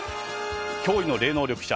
『驚異の霊能力者